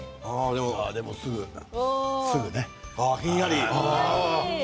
ああ、でもすぐひんやり。